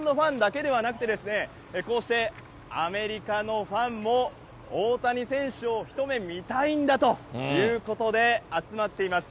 そして日本のファンだけではなくて、こうしてアメリカのファンも、大谷選手を一目見たいんだということで、集まっています。